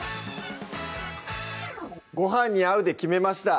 「ごはんに合う」で決めました